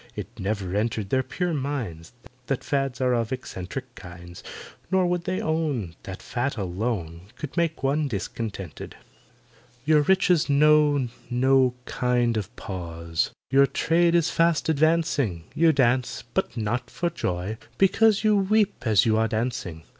It never entered their pure minds That fads are of eccentric kinds, Nor would they own That fat alone Could make one discontented. "Your riches know no kind of pause, Your trade is fast advancing; You dance—but not for joy, because You weep as you are dancing.